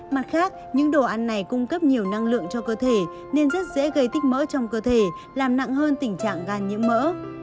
mặt khác những đồ ăn này cung cấp nhiều năng lượng cho cơ thể nên rất dễ gây tích mỡ trong cơ thể làm nặng hơn tình trạng gan nhiễm mỡ